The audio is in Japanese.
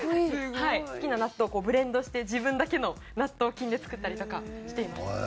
好きな納豆をブレンドして自分だけの納豆菌で作ったりとかしています。